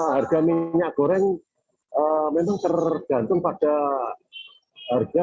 harga minyak goreng memang tergantung pada harga